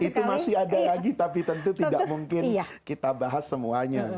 itu masih ada lagi tapi tentu tidak mungkin kita bahas semuanya